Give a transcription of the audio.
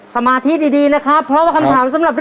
สมาธิดีนะครับ